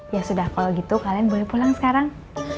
ya sudah kalau gitu kalian boleh pulang sekarang